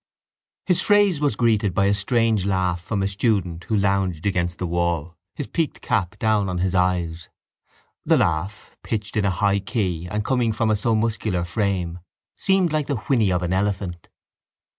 His phrase was greeted by a strange laugh from a student who lounged against the wall, his peaked cap down on his eyes. The laugh, pitched in a high key and coming from a so muscular frame, seemed like the whinny of an elephant.